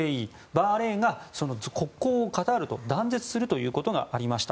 バーレーンが国交をカタールと断絶するということがありました。